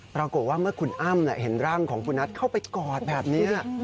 ปรากฏว่าเมื่อคุณอ้ำเห็นร่างของคุณนัทเข้าไปกอดแบบนี้